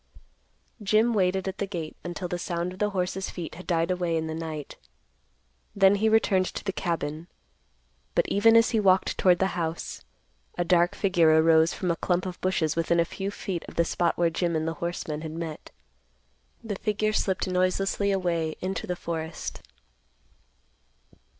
Jim waited at the gate until the sound of the horse's feet had died away in the night. Then he returned to the cabin. But even as he walked toward the house, a dark figure arose from a clump of bushes within a few feet of the spot where Jim and the horseman had met. The figure slipped noiselessly away into the forest.